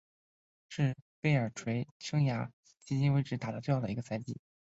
是贝尔垂生涯迄今为止打得最好的一个赛季。